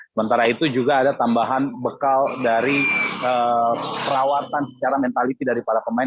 sementara itu juga ada tambahan bekal dari perawatan secara mentality dari para pemain